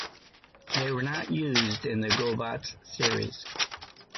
They were not used in the Gobots series.